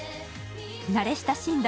慣れ親しんだ